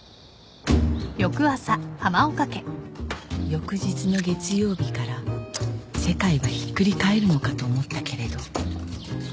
［翌日の月曜日から世界はひっくり返るのかと思ったけれど］